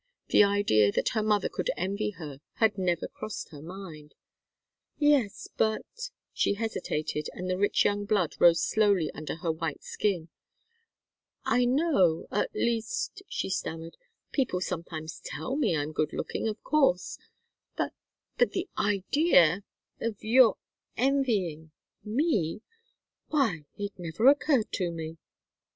The idea that her mother could envy her had never crossed her mind. "Yes but " she hesitated, and the rich young blood rose slowly under her white skin. "I know at least " she stammered, "people sometimes tell me I'm good looking, of course. But but the idea of your envying me! Why it never occurred to me!"